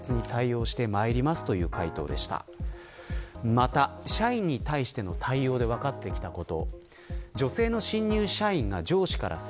また、社員に対しての対応で分かってきたこと。